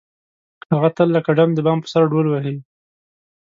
هغه تل لکه ډم د بام په سر ډول وهي.